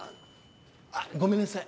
あごめんなさい。